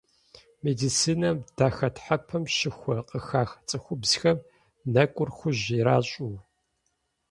Медицинэм дахэтхьэпэм щыхуэ къыхах цӏыхубзхэм нэкӏур хужь иращӏыу.